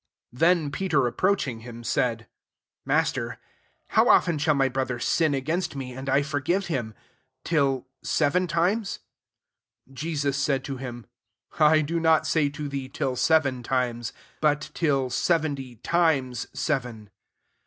21 Then Peter approaching him, said, "Master, how often shall my brother sin against me, * Abont 6%8fiO0lb, of tUrer. and I forgive him? till seven times ?" 22 Jesus said to him, "I do not say to thee, *Till seven times ;' but * Till seventy times seven.'